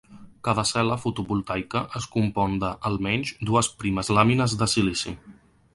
Cada cel·la fotovoltaica es compon de, almenys, dues primes làmines de silici.